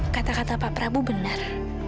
kata kata pak prabowo benar